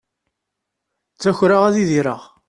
Ttakreɣ ad idireɣ.